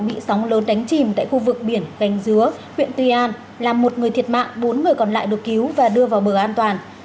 bị sóng lớn đánh chìm tại khu vực biển gành dứa huyện tuy an làm một người thiệt mạng bốn người còn lại được cứu và đưa vào bờ an toàn